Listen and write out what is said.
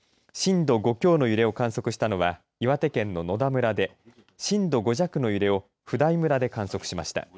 震度５強の揺れを観測したのは岩手県の野田村で震度５弱の揺れを普代村で観測しました。